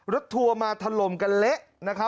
รถทัวร์มาถลมกันเล๊ะ